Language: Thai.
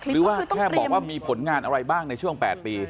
หรือว่าแค่บอกว่ามีผลงานอะไรบ้างในช่วง๘ปี